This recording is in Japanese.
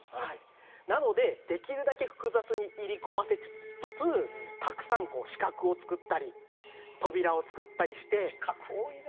なので、できるだけ複雑に入り組ませつつたくさん死角を作ったり扉を作ったりして。